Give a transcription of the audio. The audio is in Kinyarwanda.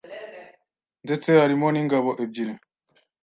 Ndetse harimo n’ingabo ebyiri